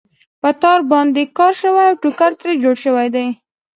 په تار باندې کار شوی او ټوکر ترې جوړ شوی دی.